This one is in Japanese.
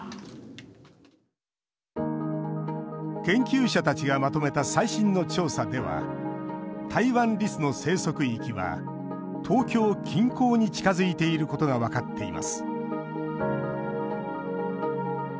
研究者たちがまとめた最新の調査ではタイワンリスの生息域は東京近郊に近づいていることが分かっています。